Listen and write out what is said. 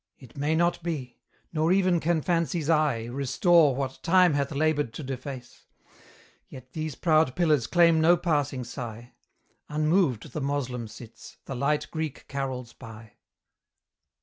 It may not be: nor even can Fancy's eye Restore what time hath laboured to deface. Yet these proud pillars claim no passing sigh; Unmoved the Moslem sits, the light Greek carols by.